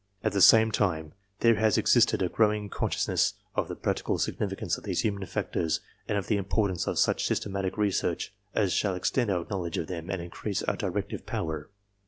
At the same time there has existed a growing consciousness of the practical significance of these human factors and of the importance of such systematic research as shall extend our knowledge of them and increase our directive power.